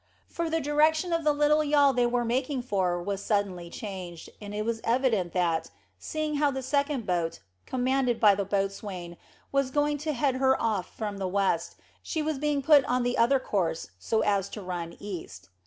For the direction of the little yawl they were making for was suddenly changed, and it was evident that, seeing how the second boat, commanded by the boatswain, was going to head her off from the west, she was being put on the other course, so as to run east.